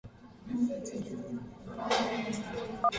Watenge au weka kwenye karantini